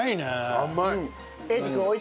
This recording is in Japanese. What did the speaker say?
甘い！